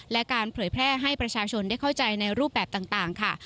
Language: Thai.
และการเผยแพร่ให้ประชาชนได้เข้าใจในรูปแบบต่างค่ะ